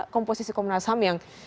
komposisi komnas ham yang